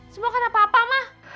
semua karena papa mah